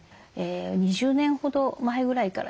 ２０年ほど前ぐらいからですね